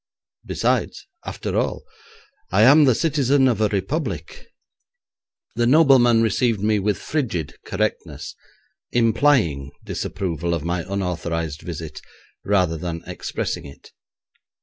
Besides, after all, I am the citizen of a Republic. The nobleman received me with frigid correctness, implying disapproval of my unauthorised visit, rather than expressing it.